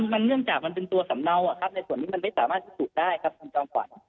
มันเนื่องจากมันเป็นตัวสำเนาในส่วนนี้มันไม่สามารถพิสูจน์ได้ครับคุณจอมขวัญ